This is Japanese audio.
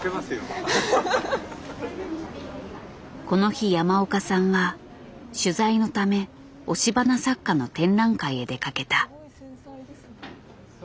この日山岡さんは取材のため押し花作家の展覧会へ出かけた。